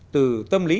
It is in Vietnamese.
từ tâm lý